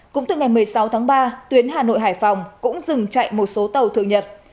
cũng từ ngày một mươi sáu tháng ba tuyến hà nội hải phòng cũng dừng chạy một số tàu thường nhật